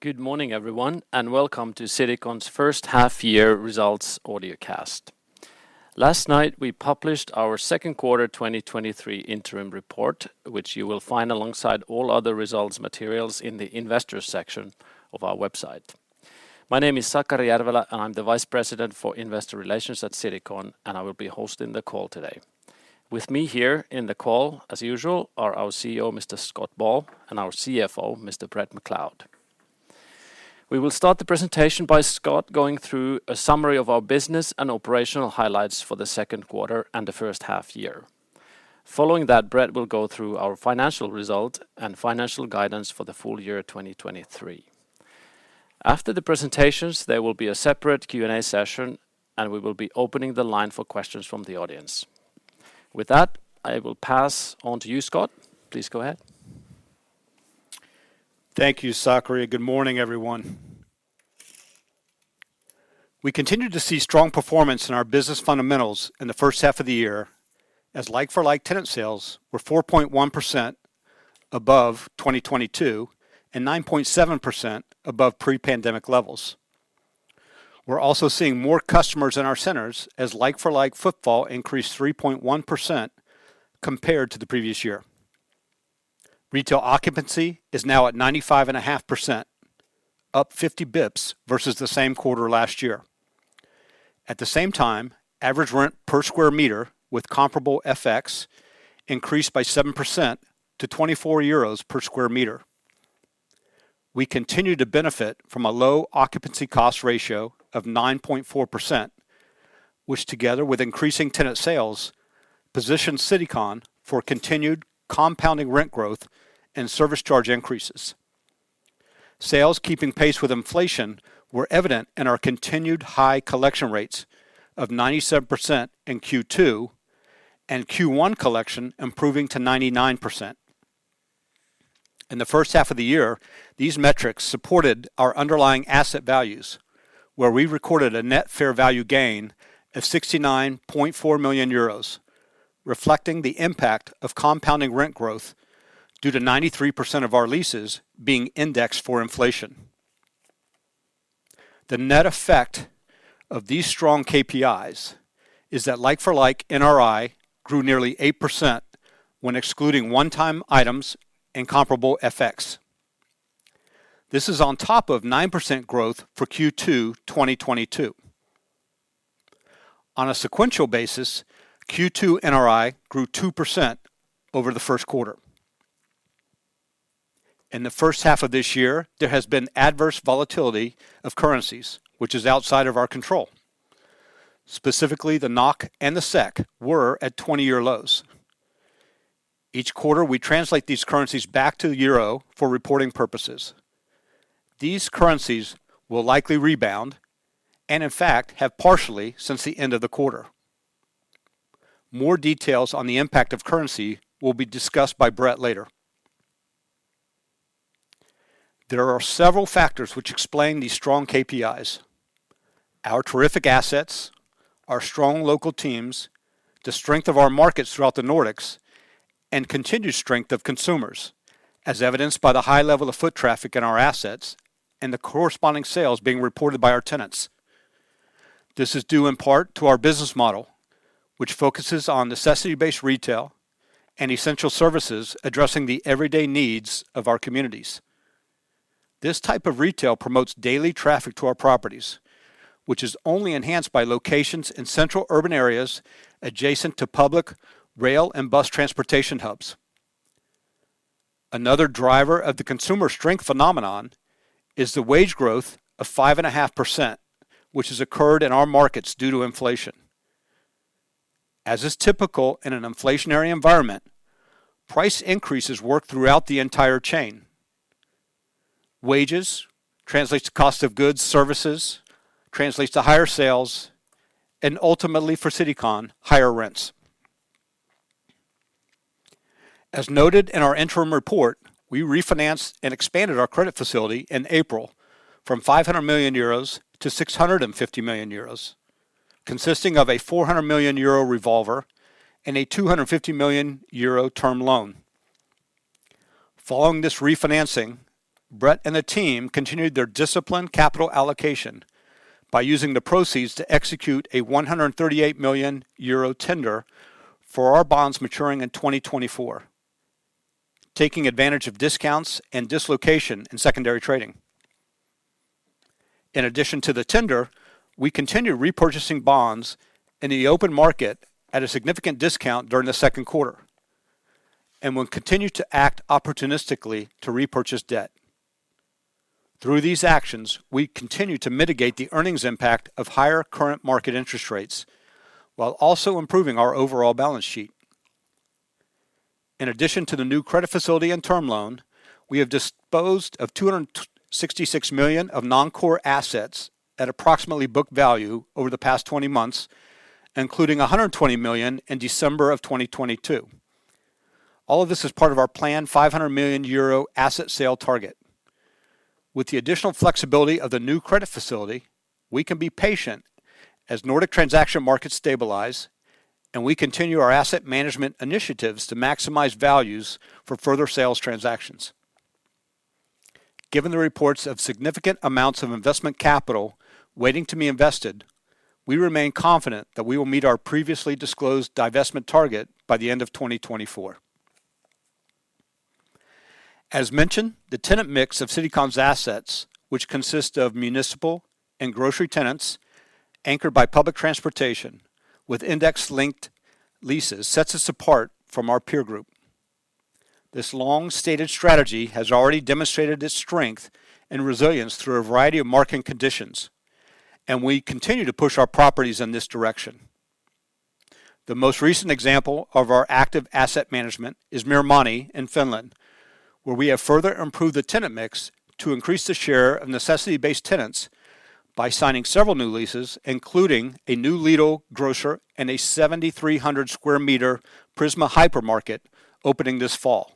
Good morning, everyone, and welcome to Citycon's first half-year results audiocast. Last night, we published our 2Q 2023 interim report, which you will find alongside all other results materials in the investors section of our website. My name is Sakari Järvelä, and I'm the Vice President for Investor Relations at Citycon, and I will be hosting the call today. With me here in the call, as usual, are our CEO, Mr. Scott Ball, and our CFO, Mr. Bret McLeod. We will start the presentation by Scott going through a summary of our business and operational highlights for the second quarter and the first half-year. Following that, Bret will go through our financial result and financial guidance for the full year 2023. After the presentations, there will be a separate Q&A session, and we will be opening the line for questions from the audience. With that, I will pass on to you, Scott. Please go ahead. Thank you, Sakari. Good morning, everyone. We continued to see strong performance in our business fundamentals in the first half of the year, as like-for-like tenant sales were 4.1% above 2022 and 9.7% above pre-pandemic levels. We're also seeing more customers in our centers as like-for-like footfall increased 3.1% compared to the previous year. Retail occupancy is now at 95.5%, up 50 basis points versus the same quarter last year. At the same time, average rent per square meter, with comparable FX, increased by 7% to 24 euros per square meter. We continue to benefit from a low occupancy cost ratio of 9.4%, which, together with increasing tenant sales, positions Citycon for continued compounding rent growth and service charge increases. Sales keeping pace with inflation were evident in our continued high collection rates of 97% in Q2, and Q1 collection improving to 99%. In the first half of the year, these metrics supported our underlying asset values, where we recorded a net fair value gain of 69.4 million euros, reflecting the impact of compounding rent growth due to 93% of our leases being indexed for inflation. The net effect of these strong KPIs is that like-for-like NRI grew nearly 8% when excluding one-time items and comparable FX. This is on top of 9% growth for Q2 2022. On a sequential basis, Q2 NRI grew 2% over the first quarter. In the first half of this year, there has been adverse volatility of currencies, which is outside of our control. Specifically, the NOK and the SEK were at 20-year lows. Each quarter, we translate these currencies back to the euro for reporting purposes. These currencies will likely rebound and, in fact, have partially since the end of the quarter. More details on the impact of currency will be discussed by Bret later. There are several factors which explain these strong KPIs: our terrific assets, our strong local teams, the strength of our markets throughout the Nordics, and continued strength of consumers, as evidenced by the high level of foot traffic in our assets and the corresponding sales being reported by our tenants. This is due in part to our business model, which focuses on necessity-based retail and essential services addressing the everyday needs of our communities. This type of retail promotes daily traffic to our properties, which is only enhanced by locations in central urban areas adjacent to public rail and bus transportation hubs. Another driver of the consumer strength phenomenon is the wage growth of 5.5%, which has occurred in our markets due to inflation. As is typical in an inflationary environment, price increases work throughout the entire chain. Wages translates to cost of goods, services, translates to higher sales, and ultimately, for Citycon, higher rents. As noted in our interim report, we refinanced and expanded our credit facility in April from 500 million euros to 650 million euros, consisting of a 400 million euro revolver and a 250 million euro term loan. Following this refinancing, Bret and the team continued their disciplined capital allocation by using the proceeds to execute a 138 million euro tender for our bonds maturing in 2024, taking advantage of discounts and dislocation in secondary trading. In addition to the tender, we continued repurchasing bonds in the open market at a significant discount during the 2nd quarter and will continue to act opportunistically to repurchase debt. Through these actions, we continue to mitigate the earnings impact of higher current market interest rates while also improving our overall balance sheet. In addition to the new credit facility and term loan, we have disposed of 266 million of non-core assets at approximately book value over the past 20 months, including 120 million in December 2022. All of this is part of our planned 500 million euro asset sale target. With the additional flexibility of the new credit facility. We can be patient as Nordic transaction markets stabilize, and we continue our asset management initiatives to maximize values for further sales transactions. Given the reports of significant amounts of investment capital waiting to be invested, we remain confident that we will meet our previously disclosed divestment target by the end of 2024. As mentioned, the tenant mix of Citycon's assets, which consist of municipal and grocery tenants, anchored by public transportation with index-linked leases, sets us apart from our peer group. This long-stated strategy has already demonstrated its strength and resilience through a variety of market conditions, and we continue to push our properties in this direction. The most recent example of our active asset management is Myyrmanni in Finland, where we have further improved the tenant mix to increase the share of necessity-based tenants by signing several new leases, including a new Lidl grocer and a 7,300 square meter Prisma hypermarket opening this fall.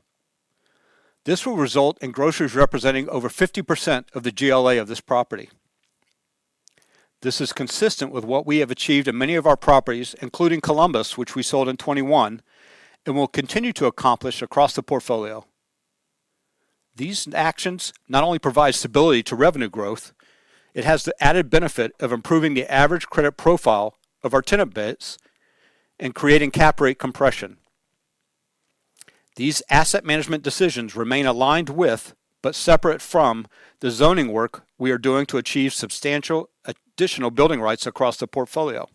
This will result in groceries representing over 50% of the GLA of this property. This is consistent with what we have achieved in many of our properties, including Columbus, which we sold in 2021, and will continue to accomplish across the portfolio. These actions not only provide stability to revenue growth, it has the added benefit of improving the average credit profile of our tenant base and creating cap rate compression. These asset management decisions remain aligned with, but separate from, the zoning work we are doing to achieve substantial additional building rights across the portfolio.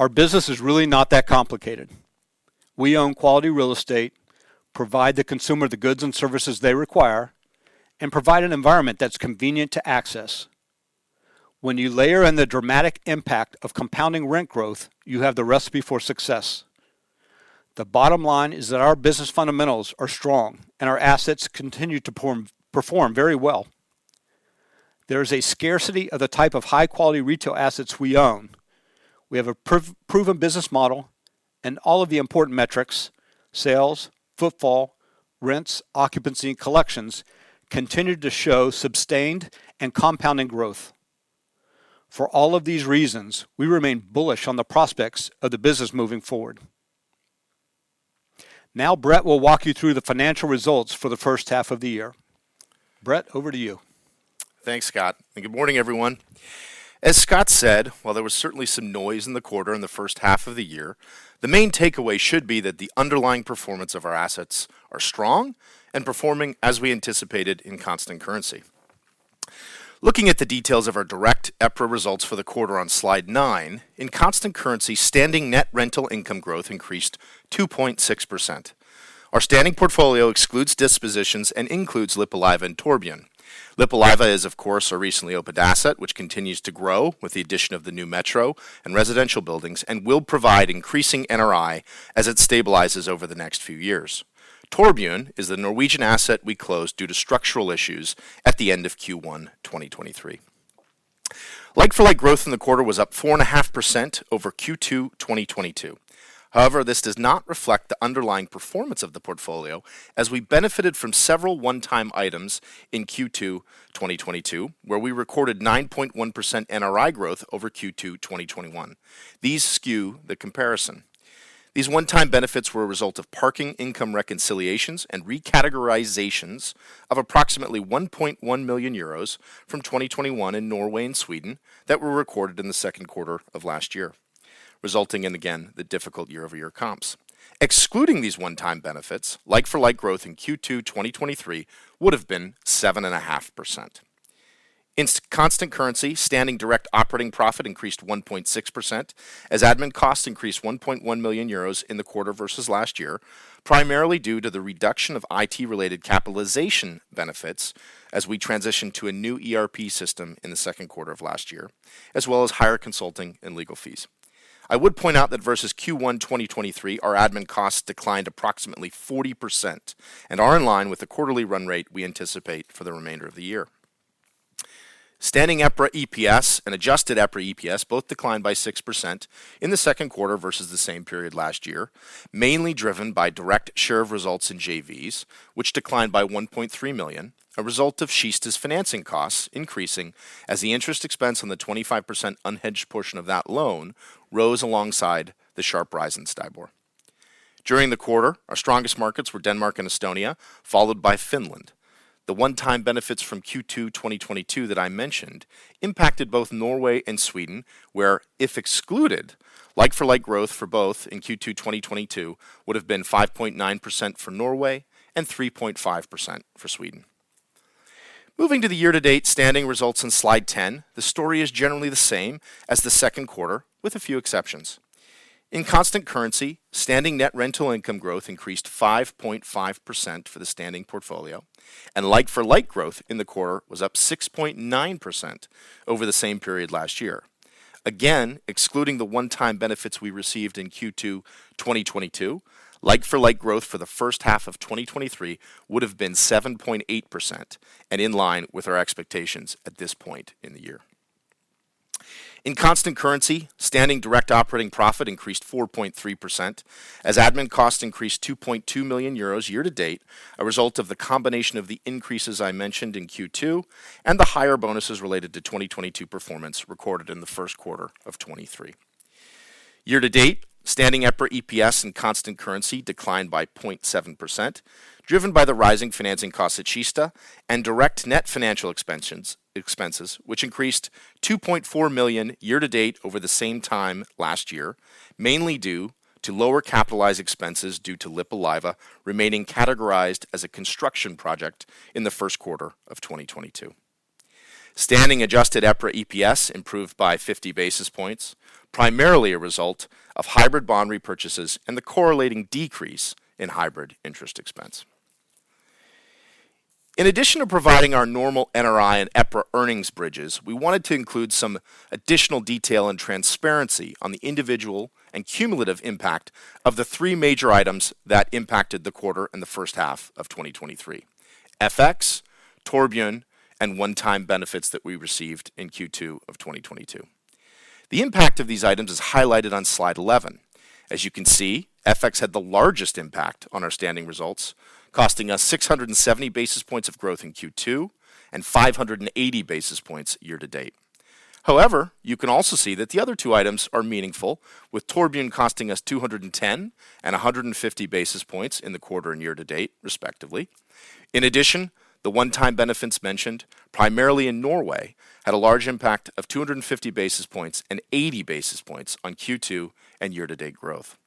Our business is really not that complicated. We own quality real estate, provide the consumer the goods and services they require, and provide an environment that's convenient to access. You layer in the dramatic impact of compounding rent growth, you have the recipe for success. The bottom line is that our business fundamentals are strong and our assets continue to perform very well. There is a scarcity of the type of high-quality retail assets we own. We have a proven business model and all of the important metrics, sales, footfall, rents, occupancy, and collections, continue to show sustained and compounding growth. For all of these reasons, we remain bullish on the prospects of the business moving forward. Bret will walk you through the financial results for the first half of the year. Bret, over to you. Thanks, Scott. Good morning, everyone. As Scott said, while there was certainly some noise in the quarter in the first half of the year, the main takeaway should be that the underlying performance of our assets are strong and performing as we anticipated in constant currency. Looking at the details of our direct EPRA results for the quarter on slide 9, in constant currency, standing net rental income growth increased 2.6%. Our standing portfolio excludes dispositions and includes Lippulaiva and Torvbyen. Lippulaiva is, of course, a recently opened asset, which continues to grow with the addition of the new metro and residential buildings and will provide increasing NRI as it stabilizes over the next few years. Torvbyen is the Norwegian asset we closed due to structural issues at the end of Q1, 2023. Like-for-like growth in the quarter was up 4.5% over Q2 2022. However, this does not reflect the underlying performance of the portfolio, as we benefited from several one-time items in Q2 2022, where we recorded 9.1% NRI growth over Q2 2021. These skew the comparison. These one-time benefits were a result of parking income reconciliations and recategorizations of approximately 1.1 million euros from 2021 in Norway and Sweden that were recorded in the second quarter of last year, resulting in, again, the difficult year-over-year comps. Excluding these one-time benefits, like-for-like growth in Q2 2023 would have been 7.5%. In constant currency, standing direct operating profit increased 1.6%, as admin costs increased 1.1 million euros in the quarter versus last year, primarily due to the reduction of IT-related capitalization benefits as we transitioned to a new ERP system in the second quarter of last year, as well as higher consulting and legal fees. I would point out that versus Q1 2023, our admin costs declined approximately 40% and are in line with the quarterly run rate we anticipate for the remainder of the year. Standing EPRA EPS and adjusted EPRA EPS both declined by 6% in the second quarter versus the same period last year, mainly driven by direct share of results in JVs, which declined by 1.3 million, a result of Kista's financing costs increasing as the interest expense on the 25% unhedged portion of that loan rose alongside the sharp rise in STIBOR. During the quarter, our strongest markets were Denmark and Estonia, followed by Finland. The one-time benefits from Q2 2022, that I mentioned, impacted both Norway and Sweden, where, if excluded, like-for-like growth for both in Q2 2022 would have been 5.9% for Norway and 3.5% for Sweden. Moving to the year-to-date standing results on slide 10, the story is generally the same as the second quarter, with a few exceptions. In constant currency, standing net rental income growth increased 5.5% for the standing portfolio, and like-for-like growth in the quarter was up 6.9% over the same period last year. Again, excluding the one-time benefits we received in Q2 2022, like-for-like growth for the first half of 2023 would have been 7.8% and in line with our expectations at this point in the year. In constant currency, standing direct operating profit increased 4.3%, as admin costs increased 2.2 million euros year-to-date, a result of the combination of the increases I mentioned in Q2, and the higher bonuses related to 2022 performance recorded in the first quarter of 2023. Year-to-date, standing EPRA EPS in constant currency declined by 0.7%, driven by the rising financing costs at Kista and direct net financial expenses, which increased 2.4 million year-to-date over the same time last year, mainly due to lower capitalized expenses due to Lippulaiva remaining categorized as a construction project in the first quarter of 2022. Standing adjusted EPRA EPS improved by 50 basis points, primarily a result of hybrid bond repurchases and the correlating decrease in hybrid interest expense. In addition to providing our normal NRI and EPRA earnings bridges, we wanted to include some additional detail and transparency on the individual and cumulative impact of the three major items that impacted the quarter in the first half of 2023: FX, Torvbyen, and one-time benefits that we received in Q2 of 2022. The impact of these items is highlighted on slide 11. FX had the largest impact on our standing results, costing us 670 basis points of growth in Q2, and 580 basis points year-to-date. You can also see that the other two items are meaningful, with Torvbyen costing us 210 and 150 basis points in the quarter and year-to-date, respectively. The one-time benefits mentioned, primarily in Norway, had a large impact of 250 basis points and 80 basis points on Q2 and year-to-date growth.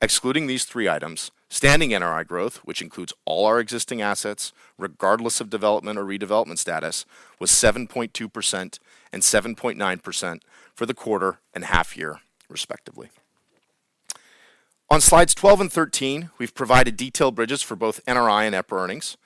Excluding these three items, standing NRI growth, which includes all our existing assets, regardless of development or redevelopment status, was 7.2% and 7.9% for the quarter and half year, respectively. On slides 12 and 13, we've provided detailed bridges for both NRI and EPRA earnings.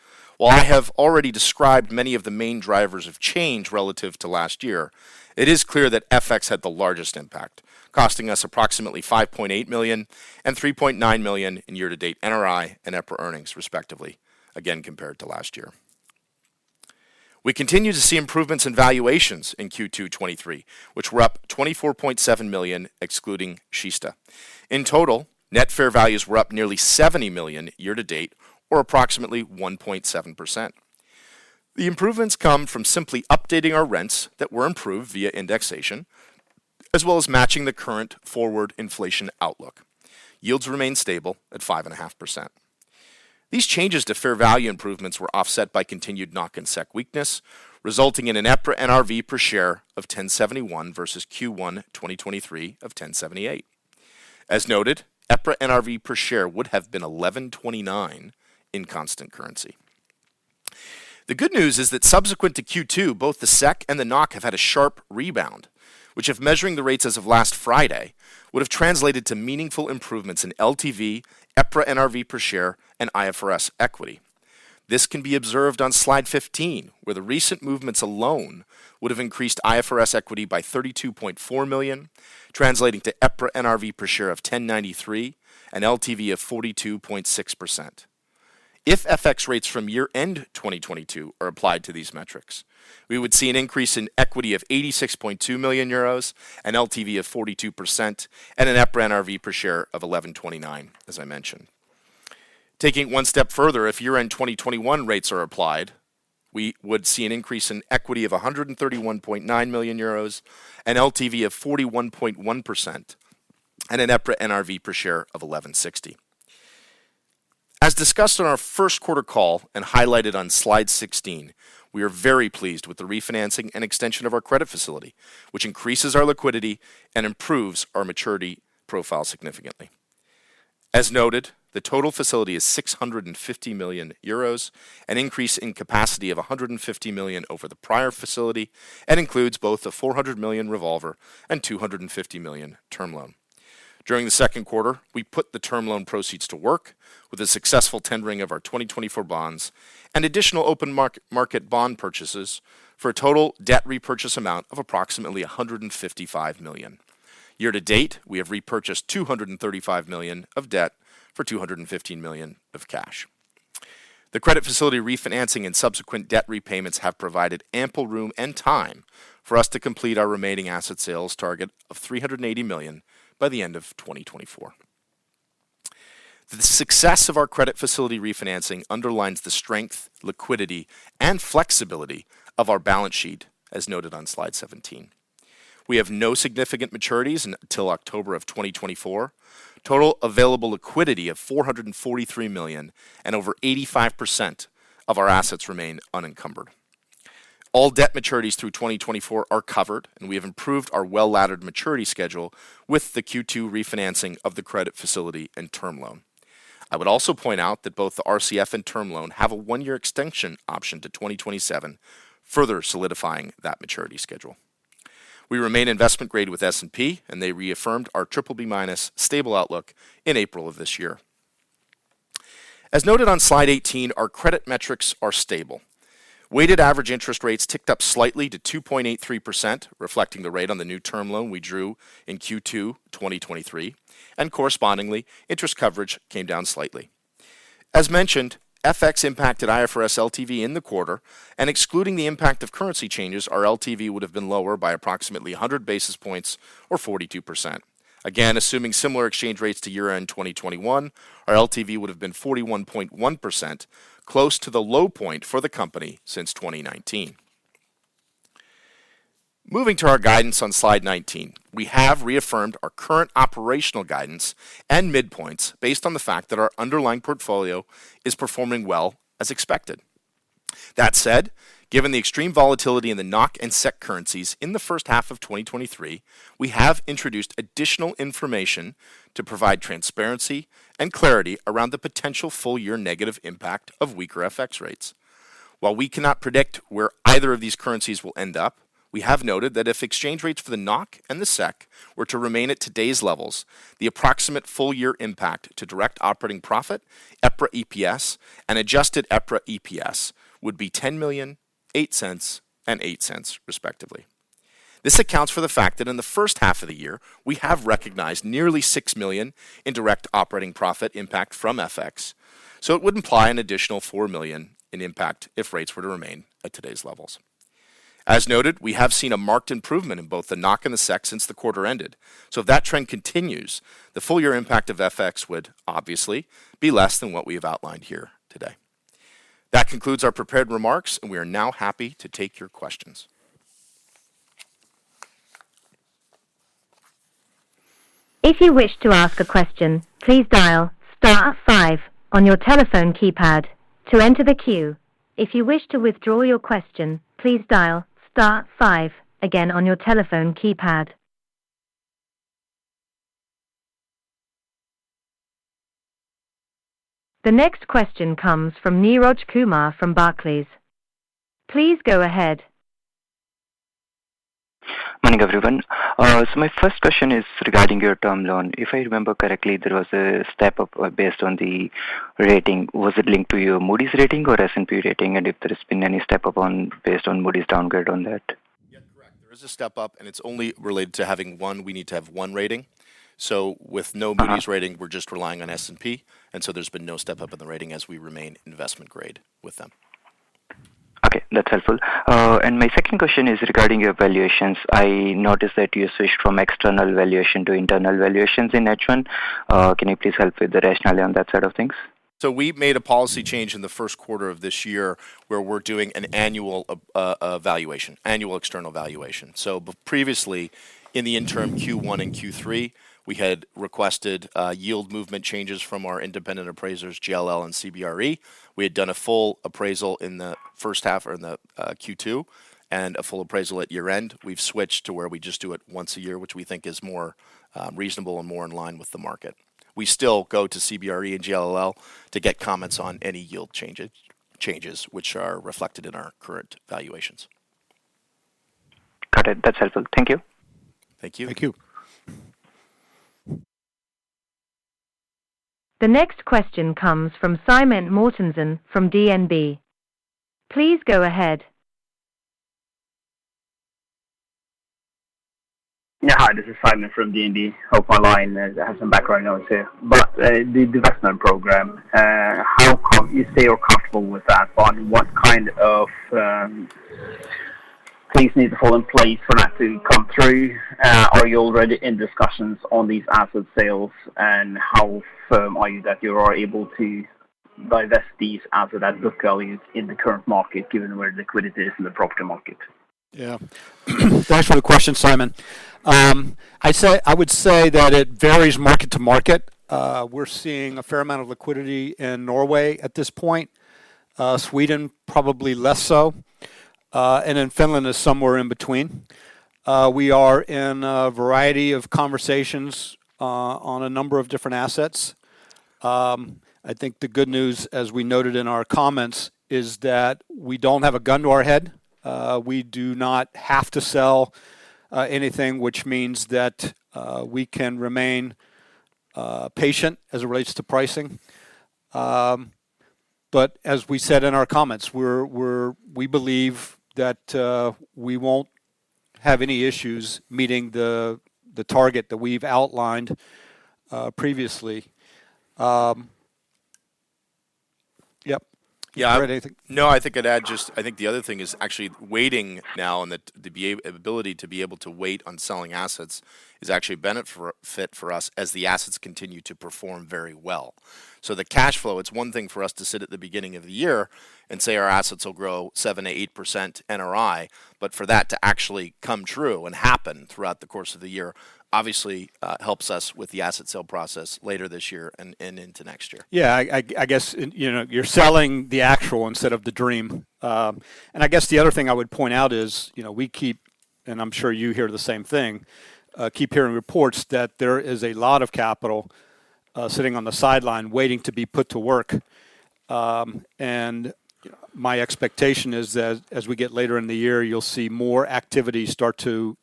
While I have already described many of the main drivers of change relative to last year, it is clear that FX had the largest impact, costing us approximately 5.8 million and 3.9 million in year-to-date NRI and EPRA earnings, respectively, again, compared to last year. We continue to see improvements in valuations in Q2 2023, which were up 24.7 million, excluding Kista. In total, net fair values were up nearly 70 million year-to-date, or approximately 1.7%. The improvements come from simply updating our rents that were improved via indexation, as well as matching the current forward inflation outlook. Yields remain stable at 5.5%. These changes to fair value improvements were offset by continued NOK and SEK weakness, resulting in an EPRA NRV per share of 10.71 versus Q1 2023 of 10.78. As noted, EPRA NRV per share would have been 11.29 in constant currency. The good news is that subsequent to Q2, both the SEK and the NOK have had a sharp rebound, which, if measuring the rates as of last Friday, would have translated to meaningful improvements in LTV, EPRA NRV per share, and IFRS equity. This can be observed on Slide 15, where the recent movements alone would have increased IFRS equity by 32.4 million, translating to EPRA NRV per share of 10.93 and LTV of 42.6%. If FX rates from year-end 2022 are applied to these metrics, we would see an increase in equity of 86.2 million euros, an LTV of 42%, and an EPRA NRV per share of 11.29, as I mentioned. Taking it one step further, if year-end 2021 rates are applied, we would see an increase in equity of 131.9 million euros, an LTV of 41.1%, and an EPRA NRV per share of 1160. As discussed on our first quarter call and highlighted on slide 16, we are very pleased with the refinancing and extension of our credit facility, which increases our liquidity and improves our maturity profile significantly. As noted, the total facility is 650 million euros, an increase in capacity of 150 million over the prior facility, and includes both the 400 million revolver and 250 million term loan. During the second quarter, we put the term loan proceeds to work with a successful tendering of our 2024 bonds and additional open market bond purchases for a total debt repurchase amount of approximately 155 million. Year-to-date, we have repurchased 235 million of debt for 215 million of cash. The credit facility refinancing and subsequent debt repayments have provided ample room and time for us to complete our remaining asset sales target of 380 million by the end of 2024. The success of our credit facility refinancing underlines the strength, liquidity, and flexibility of our balance sheet, as noted on Slide 17. We have no significant maturities until October of 2024, total available liquidity of EUR 443 million, and over 85% of our assets remain unencumbered. All debt maturities through 2024 are covered, we have improved our well-laddered maturity schedule with the Q2 refinancing of the credit facility and term loan. I would also point out that both the RCF and term loan have a one-year extension option to 2027, further solidifying that maturity schedule. We remain investment grade with S&P, they reaffirmed our BBB- stable outlook in April of this year. As noted on Slide 18, our credit metrics are stable. Weighted average interest rates ticked up slightly to 2.83%, reflecting the rate on the new term loan we drew in Q2 2023, correspondingly, interest coverage came down slightly. As mentioned, FX impacted IFRS LTV in the quarter, excluding the impact of currency changes, our LTV would have been lower by approximately 100 basis points or 42%. Assuming similar exchange rates to year-end 2021, our LTV would have been 41.1%, close to the low point for the company since 2019. Moving to our guidance on slide 19, we have reaffirmed our current operational guidance and midpoints based on the fact that our underlying portfolio is performing well as expected. Given the extreme volatility in the NOK and SEK currencies in the first half of 2023, we have introduced additional information to provide transparency and clarity around the potential full year negative impact of weaker FX rates. While we cannot predict where either of these currencies will end up, we have noted that if exchange rates for the NOK and the SEK were to remain at today's levels, the approximate full year impact to direct operating profit, EPRA EPS, and adjusted EPRA EPS would be 10 million, 0.08, and 0.08, respectively. This accounts for the fact that in the first half of the year, we have recognized nearly 6 million in direct operating profit impact from FX. It would imply an additional 4 million in impact if rates were to remain at today's levels. As noted, we have seen a marked improvement in both the NOK and the SEK since the quarter ended. If that trend continues, the full year impact of FX would obviously be less than what we have outlined here today. That concludes our prepared remarks, and we are now happy to take your questions. If you wish to ask a question, please dial star five on your telephone keypad to enter the queue. If you wish to withdraw your question, please dial star five again on your telephone keypad. The next question comes from Neeraj Kumar from Barclays. Please go ahead. Morning, everyone. My first question is regarding your term loan. If I remember correctly, there was a step-up, based on the rating. Was it linked to your Moody's rating or S&P rating, and if there's been any step-up on based on Moody's downgrade on that? Yeah, correct. There is a step up, and it's only related to having one... We need to have one rating, so with no Moody's- Uh-huh rating, we're just relying on S&P, and so there's been no step up in the rating as we remain investment grade with them. Okay, that's helpful. My second question is regarding your valuations. I noticed that you switched from external valuation to internal valuations in H1. Can you please help with the rationale on that side of things? We made a policy change in the first quarter of this year, where we're doing an annual valuation, annual external valuation. Previously, in the interim Q1 and Q3, we had requested yield movement changes from our independent appraisers, JLL and CBRE. We had done a full appraisal in the first half or in the Q2, and a full appraisal at year-end. We've switched to where we just do it once a year, which we think is more reasonable and more in line with the market. We still go to CBRE and JLL to get comments on any yield changes, which are reflected in our current valuations. Got it. That's helpful. Thank you. Thank you. Thank you. The next question comes from Simen Mortensen from DNB. Please go ahead. Hi, this is Simen from DNB. Hope my line has some background noise here. The divestment program, how come you say you're comfortable with that, but what kind of things need to fall in place for that to come through? Are you already in discussions on these asset sales, and how firm are you that you are able to divest these assets at book values in the current market, given where liquidity is in the property market? Yeah. Thanks for the question, Simen. I would say that it varies market to market. We're seeing a fair amount of liquidity in Norway at this point, Sweden, probably less so, and in Finland is somewhere in between. We are in a variety of conversations on a number of different assets. I think the good news, as we noted in our comments, is that we don't have a gun to our head. We do not have to sell anything, which means that we can remain patient as it relates to pricing. As we said in our comments, we believe that we won't have any issues meeting the target that we've outlined previously. Yep. Yeah, anything- No, I think I'd add just. I think the other thing is actually waiting now. The ability to be able to wait on selling assets is actually a benefit fit for us as the assets continue to perform very well. The cash flow, it's one thing for us to sit at the beginning of the year and say our assets will grow 7%-8% NRI. For that to actually come true and happen throughout the course of the year, obviously, helps us with the asset sale process later this year and into next year. Yeah, I guess, and, you know, you're selling the actual instead of the dream. I guess the other thing I would point out is, you know, we keep hearing reports that there is a lot of capital sitting on the sideline waiting to be put to work. My expectation is that as we get later in the year, you'll see more activity start to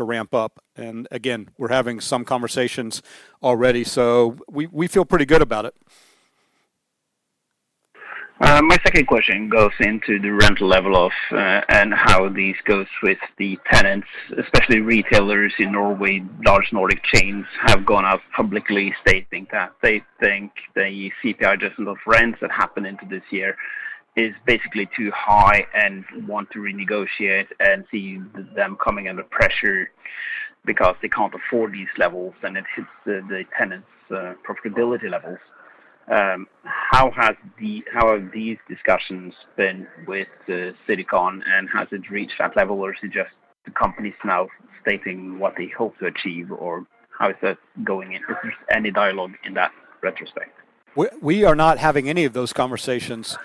ramp up. Again, we're having some conversations already, so we feel pretty good about it. My second question goes into the rental level of, and how this goes with the tenants, especially retailers in Norway. Large Nordic chains have gone out publicly stating that they think the CPI adjustment of rents that happened into this year is basically too high and want to renegotiate and see them coming under pressure because they can't afford these levels, and it hits the tenants' profitability levels. How have these discussions been with Citycon, and has it reached that level? Or is it just the companies now stating what they hope to achieve, or how is that going in? Is there any dialogue in that retrospect? We are not having any of those conversations.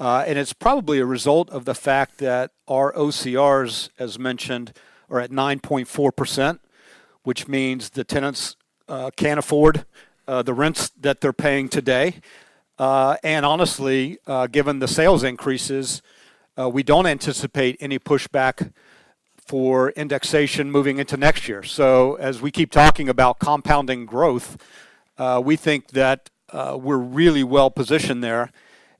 It's probably a result of the fact that our OCRs, as mentioned, are at 9.4%, which means the tenants can't afford the rents that they're paying today. Honestly, given the sales increases, we don't anticipate any pushback for indexation moving into next year. As we keep talking about compounding growth, we think that we're really well positioned there,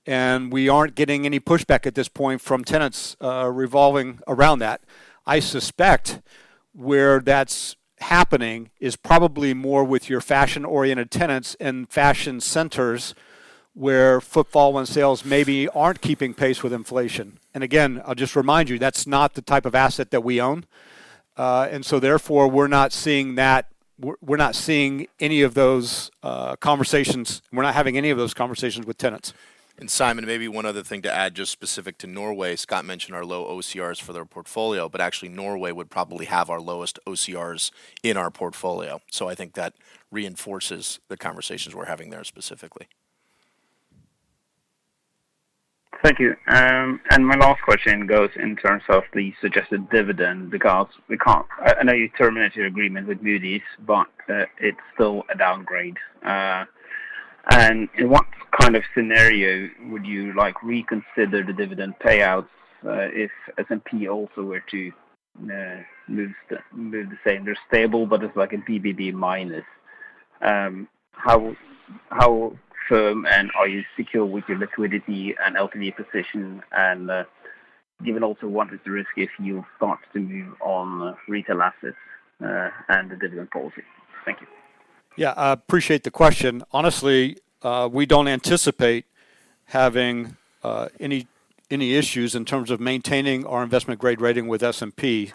and we aren't getting any pushback at this point from tenants revolving around that. I suspect where that's happening is probably more with your fashion-oriented tenants and fashion centers, where footfall and sales maybe aren't keeping pace with inflation. Again, I'll just remind you, that's not the type of asset that we own. Therefore, we're not seeing that We're not seeing any of those conversations. We're not having any of those conversations with tenants. Simen, maybe one other thing to add, just specific to Norway. Scott mentioned our low OCRs for their portfolio, actually, Norway would probably have our lowest OCRs in our portfolio. I think that reinforces the conversations we're having there specifically. Thank you. My last question goes in terms of the suggested dividend, because I know you terminated your agreement with Moody's, but it's still a downgrade. In what kind of scenario would you, like, reconsider the dividend payouts if S&P also were to move the same? They're stable, but it's like a BBB-. How, how firm and are you secure with your liquidity and LTV position and given also what is the risk if you start to move on retail assets and the dividend policy? Thank you. Yeah, I appreciate the question. Honestly, we don't anticipate having any issues in terms of maintaining our investment grade rating with S&P.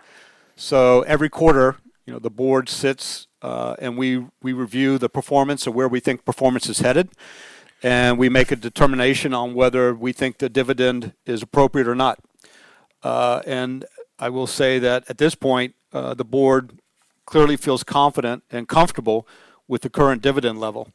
Every quarter, you know, the board sits, and we review the performance and where we think performance is headed, and we make a determination on whether we think the dividend is appropriate or not. I will say that at this point, the board clearly feels confident and comfortable with the current dividend level.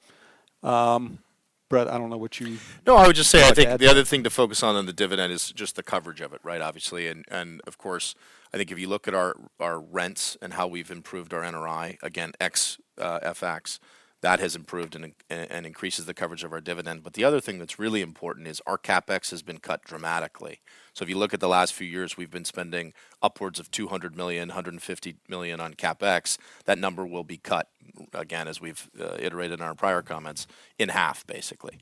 Bret, I don't know. I would just say I think the other thing to focus on on the dividend is just the coverage of it, right? Obviously, and, of course, I think if you look at our rents and how we've improved our NRI, again, ex FX, that has improved and increases the coverage of our dividend. The other thing that's really important is our CapEx has been cut dramatically. If you look at the last few years, we've been spending upwards of 200 million, 150 million on CapEx. That number will be cut, again, as we've iterated in our prior comments, in half, basically.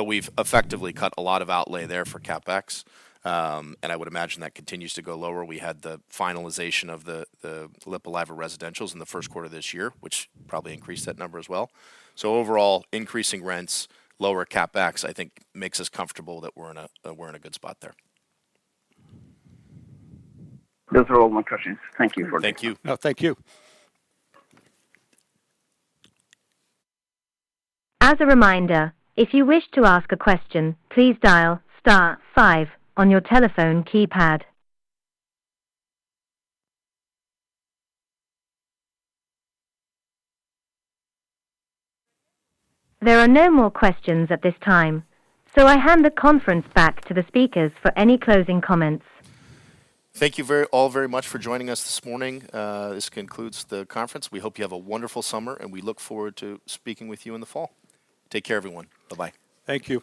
We've effectively cut a lot of outlay there for CapEx, and I would imagine that continues to go lower. We had the finalization of the Lippulaiva residentials in the first quarter of this year, which probably increased that number as well. Overall, increasing rents, lower CapEx, I think makes us comfortable that we're in a good spot there. Those are all my questions. Thank you. Thank you. No, thank you. As a reminder, if you wish to ask a question, please dial star five on your telephone keypad. There are no more questions at this time. I hand the conference back to the speakers for any closing comments. Thank you all very much for joining us this morning. This concludes the conference. We hope you have a wonderful summer. We look forward to speaking with you in the fall. Take care, everyone. Bye-bye. Thank you.